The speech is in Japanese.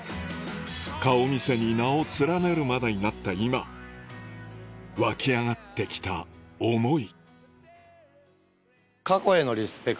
顔見世に名を連ねるまでになった今湧き上がってきた思い